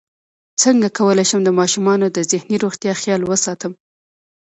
څنګه کولی شم د ماشومانو د ذهني روغتیا خیال وساتم